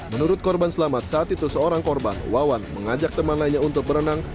menurut korban selamat saat itu seorang korban wawan mengajak temannya untuk berenang